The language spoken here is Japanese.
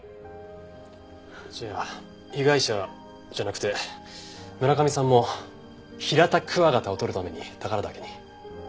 じゃあ被害者じゃなくて村上さんもヒラタクワガタを捕るために宝良岳に。